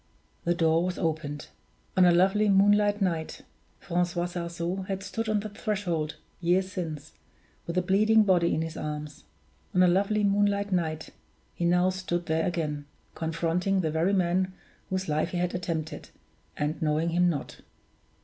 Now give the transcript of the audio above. The door was opened. On a lovely moonlight night Francois Sarzeau had stood on that threshold, years since, with a bleeding body in his arms. On a lovely moonlight night he now stood there again, confronting the very man whose life he had attempted, and knowing him not.